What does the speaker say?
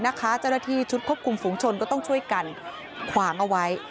เจ้าหน้าที่ชุดควบคุมฝูงชนก็ต้องช่วยกันขวางเอาไว้